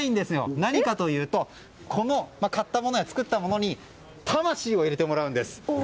何かというと、買ったものや作ったものに魂を入れてもらうんです。